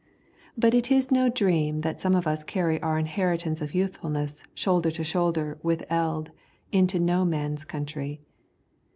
But it is no dream that some of us carry our inheritance of youthfulness shoulder to shoulder with Eld into No Man's Country.